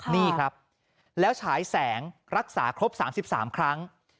นี่ครับแล้วฉายแสงรักษาครบ๓๓ครั้ง